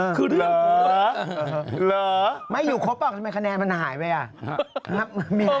อนก็มีภาคหนึ่งหายไปไว้